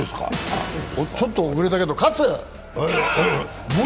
ちょっと遅れたけど、喝！